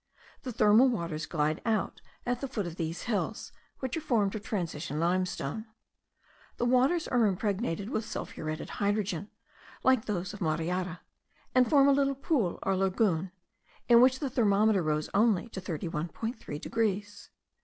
The thermal waters glide out at the foot of these hills, which are formed of transition limestone. The waters are impregnated with sulphuretted hydrogen, like those of Mariara, and form a little pool or lagoon, in which the thermometer rose only to 31.3 degrees.